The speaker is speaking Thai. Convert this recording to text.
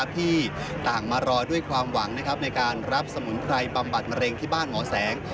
ที่ต่างมารอด้วยความหวังในการรับสมุนไพรบำบัดมะเร็งที่บ้านหมอแสง